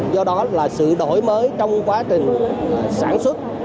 do đó là sự đổi mới trong quá trình sản xuất